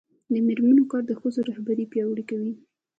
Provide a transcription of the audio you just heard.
د میرمنو کار د ښځو رهبري پیاوړې کوي.